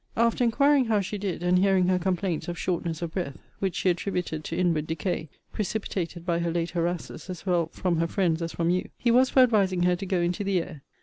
After inquiring how she did, and hearing her complaints of shortness of breath, (which she attributed to inward decay, precipitated by her late harasses, as well from her friends as from you,) he was for advising her to go into the air.